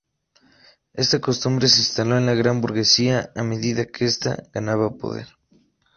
Esta costumbre, se instaló en la "gran burguesía", a medida que esta ganaba poder.